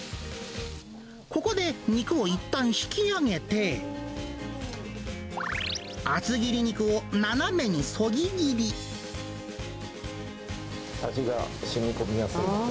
ここで肉をいったん引き上げて、味がしみこみやすいように。